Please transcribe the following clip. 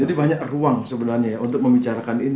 jadi banyak ruang sebenarnya ya untuk membicarakan ini